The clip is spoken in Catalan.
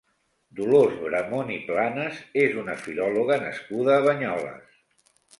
Dolors Bramon i Planes és una filòloga nascuda a Banyoles.